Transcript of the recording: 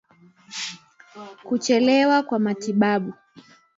Kuchelewa kwa matibabu